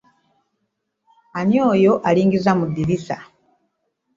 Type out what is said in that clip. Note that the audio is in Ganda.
Ani oyo alingiza mu ddirisa